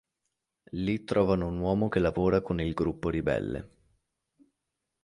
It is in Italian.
Lì trovano un uomo che lavora con il gruppo ribelle.